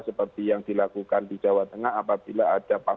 sa karena aku banyak belum ketemu k marvel jasmin